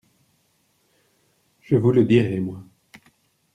Je vous le dirai, moi.